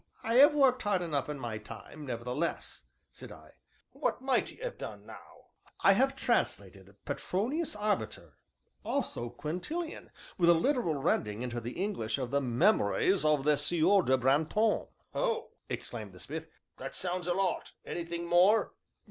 "I have worked hard enough in my time, nevertheless," said I. "What might you 'ave done, now?" "I have translated Petronius Arbiter, also Quintilian, with a literal rendering into the English of the Memoires of the Sieur de Brantome." "Oh," exclaimed the smith, "that sounds a lot! anything more?"